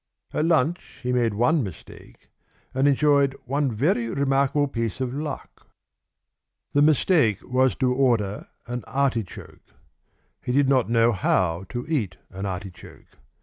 At lunch he made one mistake, and enjoyed one very remarkable piece of luck. The mistake was to order an artichoke. He did not know how to eat an artichoke.